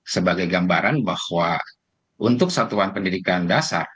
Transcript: sebagai gambaran bahwa untuk satuan pendidikan dasar